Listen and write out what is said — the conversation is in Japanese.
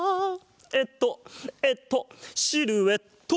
えっとえっとシルエット！